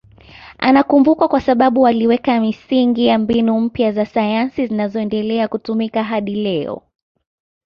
Anakumbukwa kwa sababu aliweka misingi ya mbinu mpya za sayansi zinazoendelea kutumika hadi leo.